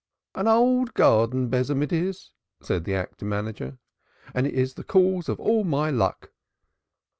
"An old garden besom it is," said the actor manager. "And it is the cause of all my luck."